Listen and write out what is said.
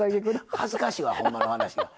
恥ずかしいわほんまの話。